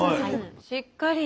しっかり。